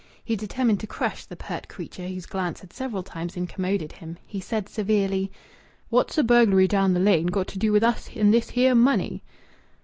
He determined to crush the pert creature whose glance had several times incommoded him. He said severely "What's a burglary down the Lane got to with us and this here money?"